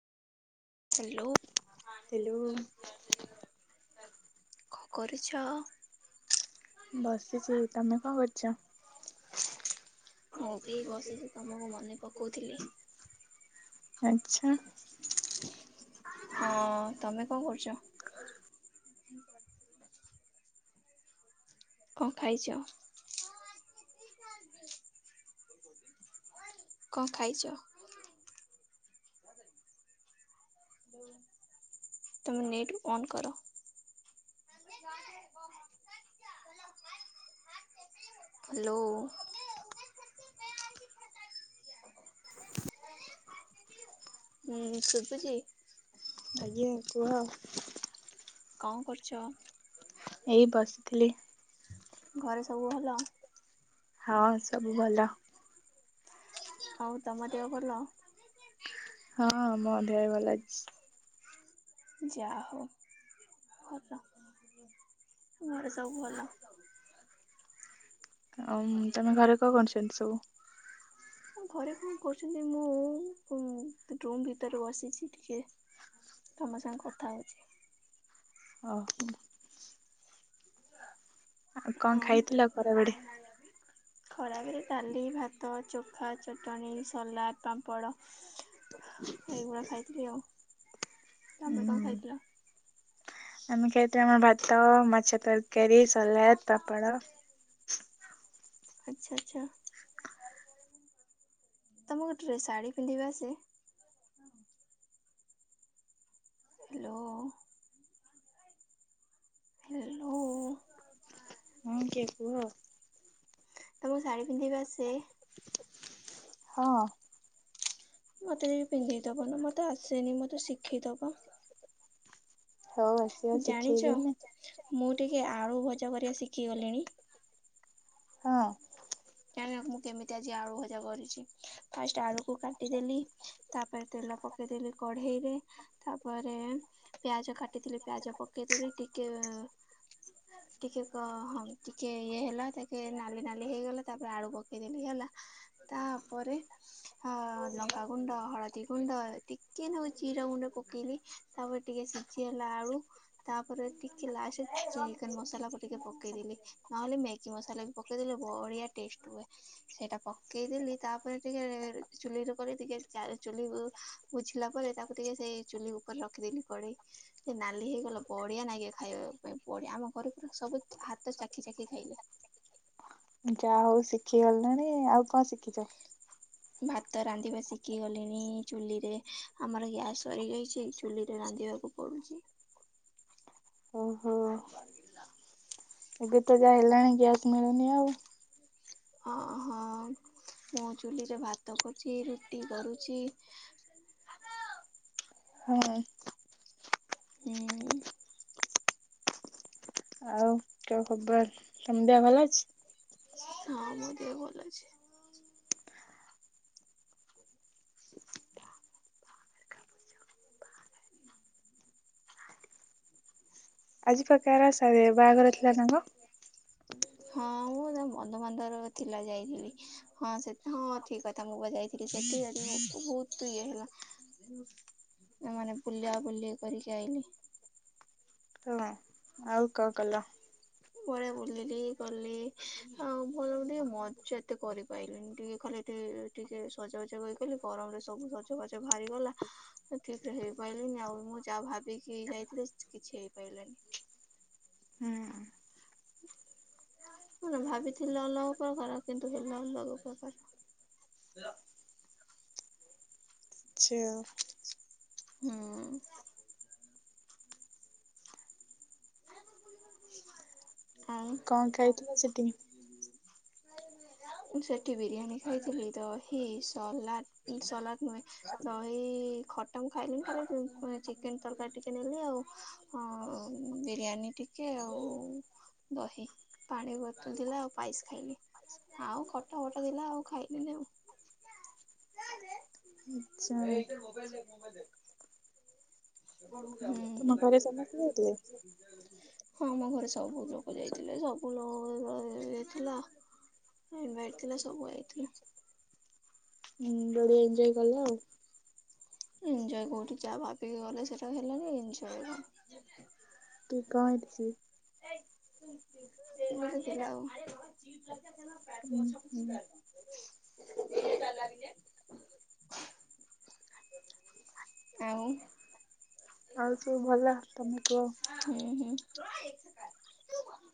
Hello. Hello. କଣ କରୁଛ। ବସିଛି ତମେ କଣ କରୁଛ। ମୁଁ ବି ବସିଛି ତୁମକୁ ମନେ ପକଉଥିଲି ଆଚ୍ଛା। ହଁ ତମେ କଣ କରୁଛ? କଣ ଖାଇଚ? କଣ ଖାଇଛ? ତମ ନେଟ୍କୁ ଅନ୍ କର। [unintelligible] ହାଲୋ। ହୁଁ ଶୁବୁଚି? ଆଜ୍ଞା କୁହ? କଣ କରୁଛ? ଏଇ ବସଥିଲି। ଘରେ ସବୁ ଭଲ? ହଁ ସବୁ ଭଲ। ହଉ ତମ ଦେହ ଭଲ? ହଁ ମ ଦେହ ଭଲ ଅଛି। ଯାହଉ ଭଲ ଘରେ ସବୁ ଭଲ? ଆଉମ୍ ତମ ଘରେ କଣ କରୁଛନ୍ତି ସବୁ? ଆମ ଘରେ କଣ କରୁଛନ୍ତି ମୁଁ ଉଁ ରୁମ୍ ଭିତରେ ବସିଛି ଟିକେ। ତମ ସାଙ୍ଗେ କଥା ହେଉଛି। ଅହ। ଆଉ କଣ ଖାଇଥିଲ ଖରା ବେଳେ? ଖରାବେଳେ ଡାଲି ଭାତ ଚୋଖା ଚଟଣି ସାଲାଡ଼ ପାମ୍ପଡ଼। ଏଇଗୁଡା ଖାଇଥିଲି ଆଉ ତମେ କଣ ଉୁଁ ଖାଇଥିଲ? ଆମେ ଖାଇତା ଆମେ ଭାତ ମାଛ ତରକାରୀ ସଲାଦ ପାପଡ଼। ଆଚ୍ଛା ଆଚ୍ଛା। ତମୁକୁ ଡ୍ରେ ସାଢୀ ପିନ୍ଧିବା ଆସେ? ହେଲୋ। ହେଲୋ। ହୁଁ କିଏ କୁହ? ତମକୁ ଶାଢୀ ପିନ୍ଧିବା ଆସେ? ହଁ। ମତେ ଟିକେ ପିନ୍ଧେଇଦବ ନ ମତେ ଆସେନି ମତେ ଶିଖେଇଦବ। ହଉ ଆସ୍। ଜାଣିଚ ମୁଁ ଟିକେ ଆଳୁ ଭଜା କରିବା ଶିକିଗଲିଣି। ହଁ। କାରାଣ ମୁଁ କେମିତି ଆଜି ଆଳୁ ଭଜା କରିଛି ଫାଷ୍ଟ ଆଳୁକୁ କାଟିଦେଲି। ତାପରେ ତେଲ ପକେଇଦେଲି କଢ଼େଇରେ। ତାପରେ ପିଆଜ କାଟିଥିଲି ପିଆଜ ପକେଇଦେଲି ଟିକେ। ଟିକେ କ ହଁ ଟିକେ ଇଏ ହେଲା ଟେକେ ନାଲି ନାଲି ହେଇଗଲା। ତାପରେ ଆଳୁ ପକେଇଦେଲି ହେଲା ତାପରେ ହା ଲଙ୍କାଗୁଣ୍ଡ ହଳଦୀ। ଗୁଣ୍ଡ ଟିକେ ନାକୁ ଜିରାଗୁଣ୍ଡ ପକେଇଲି ତାପରେ ଟିକେ ସିଝି ଗଲା ଆଳୁ। ତାପରେ ଟିକେ ଲାଷ୍ଟରେ ଚିକେନ ମସଲାକୁ ଟିକେ ପକେଇଦେଲି ନହଲେ ମ୍ୟା ଗି ମସଲା ବି ପକେଇଦେଲେ ବଢିଆ ଟେଷ୍ଟ ହୁଏ। ସେଇଟା ପକେଇଦେଲି ତାପରେ ଟିକେ ଚୁଲିରେ କରି ଟିକେ ଚାରି ଚୁଲିକୁ। ବୁଝିଲା ପରେ ତାକୁ ଟିକେ ସେଇ ଚୁଲି ଉପରେ ରଖିଦେଲି କଢ଼େଇ। ସେ ନାଲି ହେଇଗଲା ବଢିଆ ନାଗିବ ଖାଇବା ପାଇଁ ବଢିଆ ଆମ ଘରେ ପୁରା ସବୁ ହାତ ଚାଖି ଚାଖି ଖାଇଲେ। ଯାହା ହଉ ଶିଖି ଗଲେଣି ଆଉ କଣ ଶିଖିଛ? [inaudible] ଭାତ ରାନ୍ଧିବା ଶିଖିଗଲିଣି ଚୁଲିରେ ଆମର ଗ୍ୟାସ୍ ସରିଯାଇଛି ଚୁଲିରେ ରାନ୍ଧିବାକୁ ପଢ଼ୁଛି। ଓହୋ, ଏବେ ତ ଯାହା ହେଲାଣି ଗ୍ୟାସ୍ ମିଳୁନି ଆଉ। ହଁ ହଁ ମୁଁ ଚୁଲିରେ ଭାତ କରୁଛି ରୁଟି କରୁଛି। ହାଏ ହୁଁ କେଉଁ ଖବର୍ ତମ୍ ଦିଆ ଭଲ ଅଛି? [unintelligible] ହଁ ମୋ ଦିଅ ଭଲ ଅଛି। ଆଜି ଫ କାର୍ ସଇଏ ବାହାଘର ଥିଲା ନା କଣ? ହଁ ମୁଁ ତାଙ୍କ ବନ୍ଧୁବାନ୍ଧବ ର ଥିଲା ଯାଇଥିଲି ହଁ ସେ ହଁ ଥିକ୍ କଥା ମୁଁ ବା ଜାଇଥିଲି ସେଠି [unintelligible] ବହୁତ ଇଏ ହେଲା ଏମାନେ ବୁଲା ବୁଲି କରିକି ଆଇଲି। ତମେ ଆଉ କଣ କଲ? ବଢ଼ିଆ ବୁଲିଲି ଗଲି ଆଉ ଭଲ ଟିକେ ମଜା ଏତେ କରିପାଇଲିନି ଟିକେ ଖଲେ ଟିଏ ଟିକେ ସଜବାଜ ହେଇଗଲି ଗରମରେ ସବୁ ସଜବାଜ ଭାହାରିଗଲା। ସେ ଠିକ୍ରେ ହେଇପାଇଲିନି ଆଉ ମୁଁ ଯାହା ଭାବିକି ଯାଇଥିଲି କିଛି ହେଇପାରିଲାନି। ହୁଁ ହୁଁ। [inaudible] ମୁଁ ତ ଭାବିଥିଲି ଅଲଗା ପ୍ରକାର କିନ୍ତୁ ହେଲା ଅଲଗା ପ୍ରକାର। [unintelligible] ଚ୍ଛେଅ। ହୁଁ। ଆଉ କଣ ଖାଇଥିଲ ସେଠି? ହୁଁ [inaudible] [unintelligible] ମୁଁ ସେଠି ବିରିୟାନୀ ଖାଇଥିଲି ଦହି ସାଲାଟ୍ ସଲାଟ୍ ନୁହେଁ। ଦହି ଖଟା ମୁଁ ଖାଇଲିନି ଖାଲି ଚି [unintelligible] ଚିକେନ ତରକାରୀ ଟିକେ ନେଲି ଆଉ ହଁ ଆଉ ବିରିୟାନୀ ଟିକେ ଆଉ। ଦହି ପାଣି ବୋତଲ୍ ଥିଲା ଆଉ ପାଇସ୍ ଖାଇଲି। ଆଉ ଖଟା ଫଟା ଥିଲା ଆଉ ଖାଇଲିନି ଆଉ ଆଚ୍ଛା [unintelligible] ହେ ଏଇଟେ ମୋବାଇଲ ଦେଖ୍ ମୋବାଇଲ ଦେଖ୍। ହୁଁ। [unintelligible] ତମ ଘରେ ସମସ୍ତେ ଯାଇଥିଲେ? [unintelligible] ହଁ ଆମ ଘରେ ସବୁ ଲୋକ ଯାଇଥିଲେ ସବୁ [unintelligible] ଥିଲା। ଇନ୍ଭାଇଟ୍ ଥିଲା ସବୁ ଆଇଥିଲା। ହୁଁ ବଢିଆ ଏଞ୍ଜୟ କଲ ଆଉ। [unintelligible] ଏନ୍ଜଏ କୋଉଠି ଯାହା ଭାକିକି ଗଲେ ସେଟା ହେଲାନି ଏଞ୍ଜୟ୍ [unintelligible] କି କାଏଁ ହେତ୍ସି? [unintelligible] ଏମିତି ଥିଲା ଆଉ। ଚିଲ୍ [unintelligible] କ ହୁଁ ମାଛି ହୁଁ କର ଏ ଚା ବି। କାଉଁ। ଆଉ ସବୁ ଭଲ ତମେ କୁହ? ହୁଁ ହୁଁ [unintelligible]